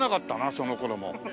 その頃もう。